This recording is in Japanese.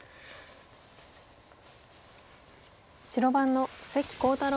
白番の関航太郎